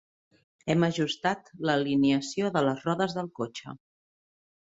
Hem d'ajustar l'alineació de les rodes del cotxe.